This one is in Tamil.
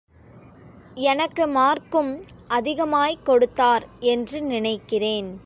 எனக்கு மார்க்கும் அதிகமாய்க் கொடுத்தார் என்று நினைக்கிறேன்.